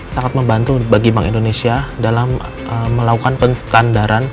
sangat membantu bagi bank indonesia dalam melakukan penstandaran